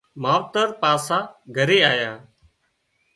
ماوترپاسان گھرِي آيان